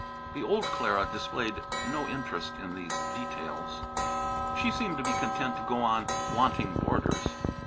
The old Clara displayed no interest in these details. She seemed to be content to go on wanting boarders.